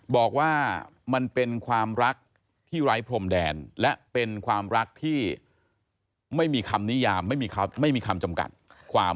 บอกว่ามันเป็นความรักที่ไร้พรมแดนและเป็นความรักที่ไม่มีคำนิยามไม่มีคำจำกัดความ